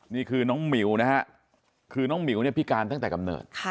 นี่คือน้องหมิวนะฮะคือน้องหมิวเนี่ยพิการตั้งแต่กำเนิด